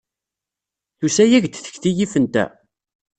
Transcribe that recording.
Tusa-yak-d tekti yifen ta?